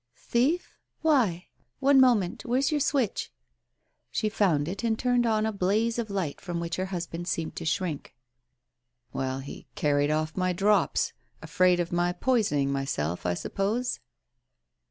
... "Thief? Why? One moment! Where's your switch ?" She found it and turned on a blaze of light from which her husband seemed to shrink. " Well, he carried off my drops. Afraid of my poison ing myself, I suppose